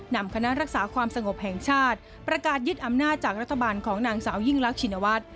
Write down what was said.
นำคณะรักษาความสงบแห่งชาติประกาศยึดอำนาจจากรัฐบาลของนางสาวยิ่งรักชินวัฒน์